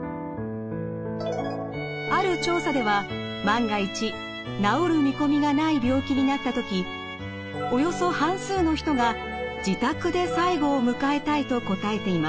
ある調査では万が一治る見込みがない病気になった時およそ半数の人が自宅で最期を迎えたいと答えています。